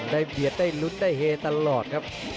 ได้เบียดได้รุดได้เฮตตลอดครับ